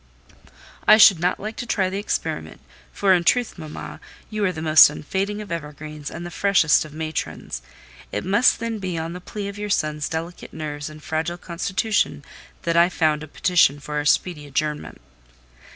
"I should not like to try the experiment; for, in truth, mamma, you are the most unfading of evergreens and the freshest of matrons. It must then be on the plea of your son's delicate nerves and fragile constitution that I found a petition for our speedy adjournment."